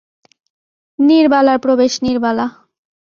নীরবালার প্রবেশ নীরবালা।